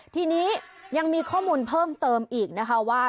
ทีนี้ยังมีข้อมูลเพิ่มเติมอีกนะคะว่า